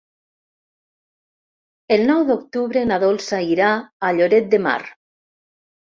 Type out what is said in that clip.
El nou d'octubre na Dolça irà a Lloret de Mar.